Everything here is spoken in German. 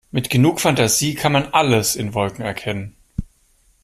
Mit genug Fantasie kann man alles in Wolken erkennen.